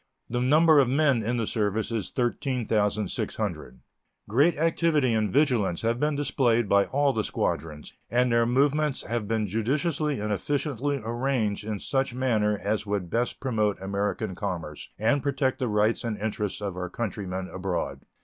The number of men in the service is 13,600. Great activity and vigilance have been displayed by all the squadrons, and their movements have been judiciously and efficiently arranged in such manner as would best promote American commerce and protect the rights and interests of our countrymen abroad.